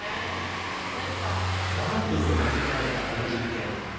ＤＡＲＴと名付けられたこの実験。